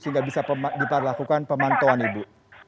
sehingga bisa dilakukan pemantauan bu